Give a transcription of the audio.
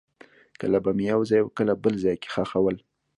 کله به مې یو ځای او کله بل ځای کې خښول.